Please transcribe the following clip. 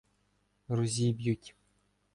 Розіб'ють.